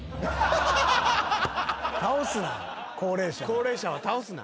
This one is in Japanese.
高齢者を倒すな。